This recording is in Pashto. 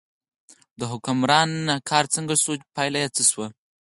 د حکمران کار څنګه شو، پایله یې څه شوه.